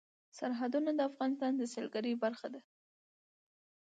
سرحدونه د افغانستان د سیلګرۍ برخه ده.